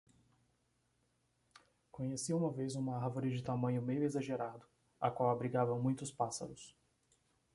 Conheci uma vez uma árvore de tamanho meio exagerado, a qual abrigava muitos pássaros.